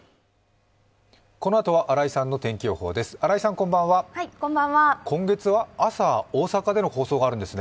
このあとは新井さんの天気予報です。